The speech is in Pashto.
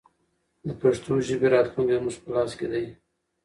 د پښتو ژبې راتلونکی زموږ په لاس کې دی.